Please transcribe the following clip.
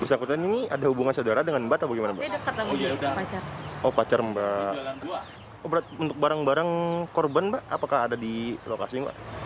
apa berat untuk barang barang korban mbak apakah ada di lokasi mbak